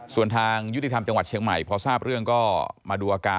ส่วนทางยุติธรรมจังหวัดเชียงใหม่พอทราบเรื่องก็มาดูอาการ